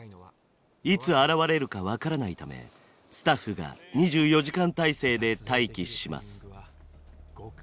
いつ現れるか分からないためスタッフが２４時間体制で待機します。